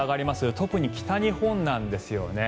特に北日本なんですよね。